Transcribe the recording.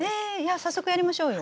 早速やりましょうよ。